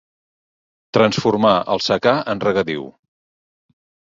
Transformar el secà en regadiu.